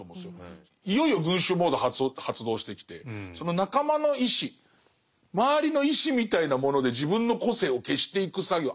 いよいよ群衆モード発動してきてその仲間の意思周りの意思みたいなもので自分の個性を消していく作業。